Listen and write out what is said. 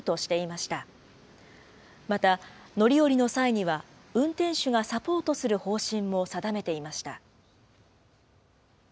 また、乗り降りの際には運転手がサポートする方針も定めていました。